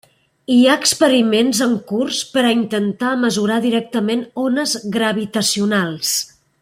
Hi ha experiments en curs per a intentar mesurar directament ones gravitacionals.